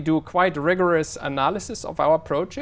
do nhiều nặng cứng